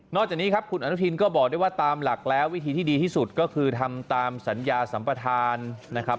จากนี้ครับคุณอนุทินก็บอกได้ว่าตามหลักแล้ววิธีที่ดีที่สุดก็คือทำตามสัญญาสัมปทานนะครับ